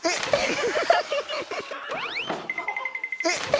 えっ？